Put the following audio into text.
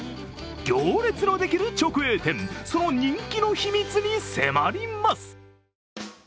行列のできる直営店その人気の秘密に迫ります。